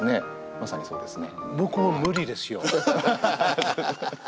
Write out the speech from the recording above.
まさにそうですね。